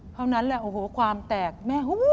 เท่านั้นแหละโอ้โหความแตกแม่